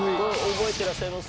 覚えてらっしゃいます？